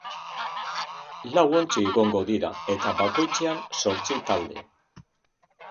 Lau ontzi egongo dira, eta bakoitzean zortzi talde.